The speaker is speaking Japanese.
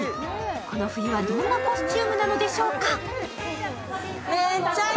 この冬はどんなコスチュームなんでしょうか？